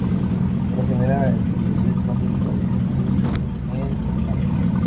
Fue la primera en distribuir cómic estadounidense en España.